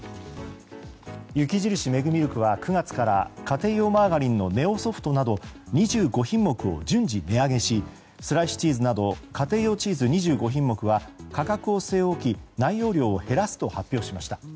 雪印メグミルクは９月から家庭用マーガリンのネオソフトなど２５品目を順次値上げしスライスチーズなど家庭用チーズ２５品目は価格を据え置き内容量を減らすと発表しました。